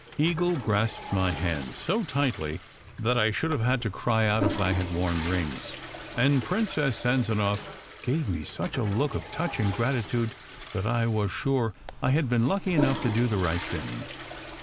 " Eagle grasped my hands so tightly that I should have had to cry out if I had worn rings, and Princess Sanzanow gave me such a look of touching gratitude that I was sure SECRET HISTORY 277 I had been lucky enough to do the right thing.